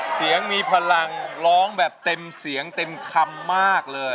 เสียงมีพลังร้องแบบเต็มเสียงเต็มคำมากเลย